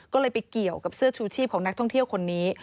ก็เลยไปเกี่ยวกับเสื้อชูชีพของนักท่องเที่ยวคนนี้